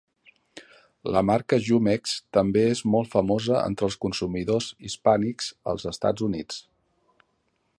La marca Jumex també és molt famosa entre els consumidors hispànics als Estats Units.